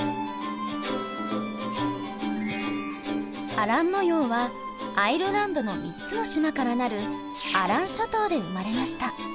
アラン模様はアイルランドの３つの島からなるアラン諸島で生まれました。